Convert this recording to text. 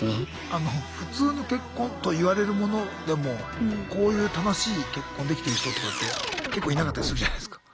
あの普通の結婚といわれるものでもこういう楽しい結婚できてる人とかって結構いなかったりするじゃないすか。